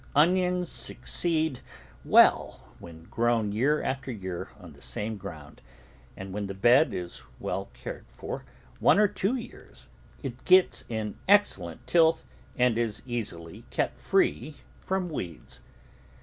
Onions succeed ROOT VEGETABLES well when grown year after year on the same ground, and when the bed is well cared for one or two years, it gets in excellent tilth and is easily kept free from weeds.